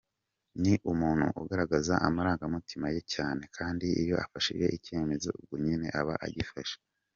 Ni umuntu ugaragaza amarangamutima ye cyane, kandi iyo afashe icyemezo ubwo nyine aba yagifashe.